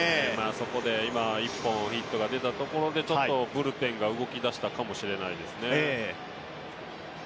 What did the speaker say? そこで今、１本ヒットが出たところでちょっとブルペンが動き出したかもしれないですね。